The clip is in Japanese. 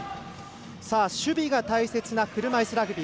守備が大切な車いすラグビー。